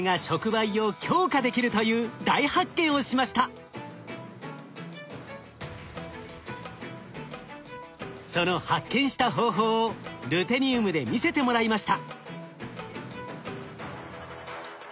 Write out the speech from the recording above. ハラスさんたちはその発見した方法をルテニウムで見せてもらいました。